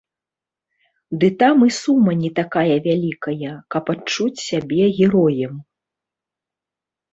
Ды там і сума не такая вялікая, каб адчуць сябе героем.